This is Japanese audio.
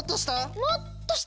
もっとした？